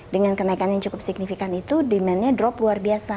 dengan kenaikannya cukup signifikan itu demandnya drop luar biasa